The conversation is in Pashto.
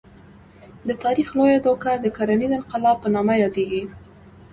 د تاریخ لویه دوکه د کرنیز انقلاب په نامه یادېږي.